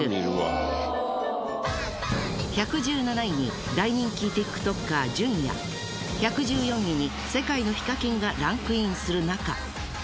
１１７位に大人気ＴｉｋＴｏｋｅｒじゅんや１１４位に世界のＨｉｋａｋｉｎがランクインするなか